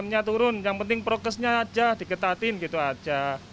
yang penting prokesnya saja diketatin gitu saja